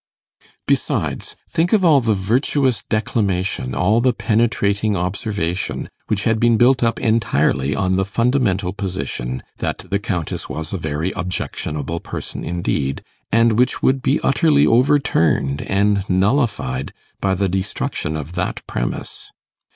Besides, think of all the virtuous declamation, all the penetrating observation, which had been built up entirely on the fundamental position that the Countess was a very objectionable person indeed, and which would be utterly overturned and nullified by the destruction of that premiss.